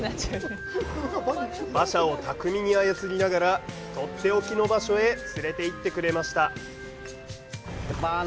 馬車を巧みに操りながらとっておきの場所へ連れていってくれました。